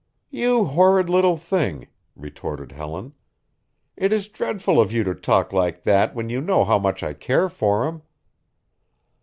"You horrid little thing!" retorted Helen. "It is dreadful of you to talk like that when you know how much I care for him."